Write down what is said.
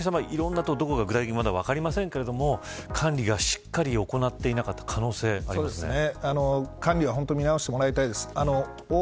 いろんなところがまだ具体的に分かっていませんが管理をしっかりと行っていなかった可能性管理は本当に見直してもらいたいです。